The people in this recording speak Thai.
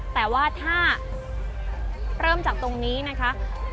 แต่ว่าถ้าเริ่มจากตรงนี้นะคะ